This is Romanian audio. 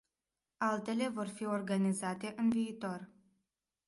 Altele vor fi organizate în viitor.